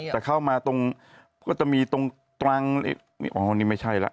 สุราษธ์นครน์ใช่ไหมฮะ